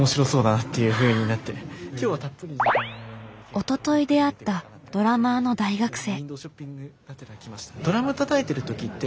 おととい出会ったドラマーの大学生。